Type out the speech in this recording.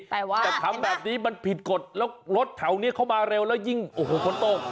แต่ว่าจะทำแบบนี้มันผิดกฎแล้วรถแถวนี้เข้ามาเร็วแล้วยิ่งโอ้โหฝนตก